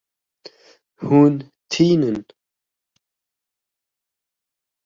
Hûn tînin.